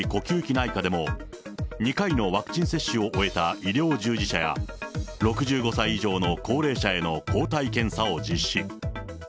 内科でも、２回のワクチン接種を終えた医療従事者や、６５歳以上の高齢者への抗体検査を実施。